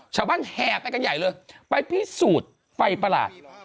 แห่ไปกันใหญ่เลยไปพิสูจน์ไฟประหลาด